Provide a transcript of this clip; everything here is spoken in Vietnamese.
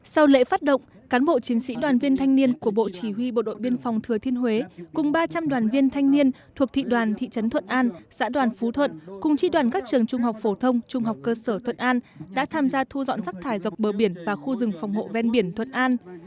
sau lễ phát động cán bộ chiến sĩ đoàn viên thanh niên của bộ chỉ huy bộ đội biên phòng thừa thiên huế cùng ba trăm linh đoàn viên thanh niên thuộc thị đoàn thị trấn thuận an xã đoàn phú thuận cùng tri đoàn các trường trung học phổ thông trung học cơ sở thuận an đã tham gia thu dọn rác thải dọc bờ biển và khu rừng phòng hộ ven biển thuận an